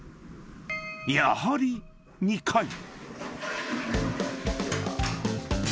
［やはり２回］